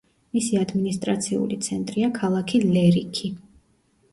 მისი ადმინისტრაციული ცენტრია ქალაქი ლერიქი.